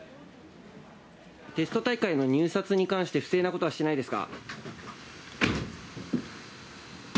テスト大会の入札に関して、不正なことはしてないですか。